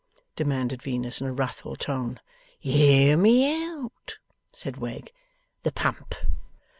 demanded Venus, in a wrathful tone. ' Hear me out!' said Wegg. 'The Pump.